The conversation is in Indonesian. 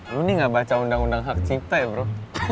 lu nih gak baca undang undang hak cipta ya bro